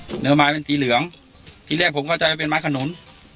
เหนือไม้เป็นสีเหลืองทีแรกผมเข้าใจว่าเป็นไม้ขนุน